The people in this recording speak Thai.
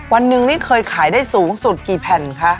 วันหนึ่งนี่เคยขายได้สูงสุดกี่แผ่นคะ